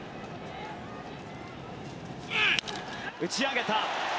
打ち上げた。